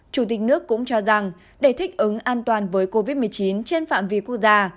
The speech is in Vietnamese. chủ tịch nước cũng cho rằng để thích ứng an toàn với covid một mươi chín trên phạm vi quốc gia